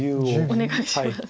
お願いします。